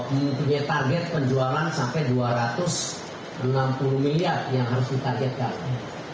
mempunyai target penjualan sampai dua ratus enam puluh miliar yang harus ditargetkan